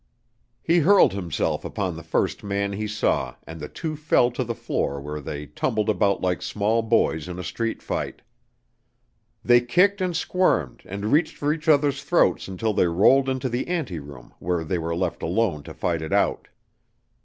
He hurled himself upon the first man he saw and the two fell to the floor where they tumbled about like small boys in a street fight. They kicked and squirmed and reached for each other's throats until they rolled into the anteroom where they were left alone to fight it out.